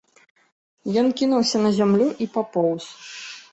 Ён кінуўся на зямлю і папоўз.